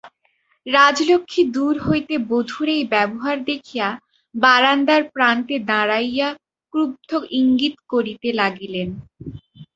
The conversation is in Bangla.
রাজলক্ষ্মী দূর হইতে বধূর এই ব্যবহার দেখিয়া বারান্দার প্রান্তে দাঁড়াইয়া ক্রুদ্ধ ইঙ্গিত করিতে লাগিলেন।